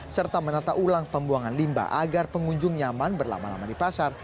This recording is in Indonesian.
serta menata ulang pembuangan limba agar pengunjung nyaman berlama lama di pasar